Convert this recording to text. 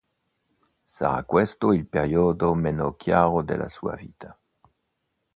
Sarà questo il periodo meno chiaro della sua vita.